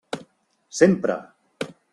Sempre!